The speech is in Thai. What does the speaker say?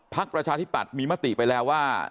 ประชาธิปัตย์มีมติไปแล้วว่า